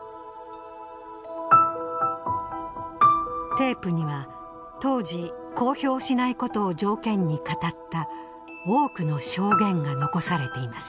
テープには当時公表しないことを条件に語った多くの証言が遺されています。